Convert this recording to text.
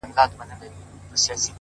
مینه زړونه نږدې کوي.!